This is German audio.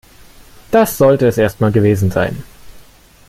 Das sollte es erst mal gewesen sein.